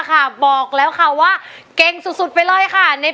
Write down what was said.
ร้องได้ร้องได้ร้องได้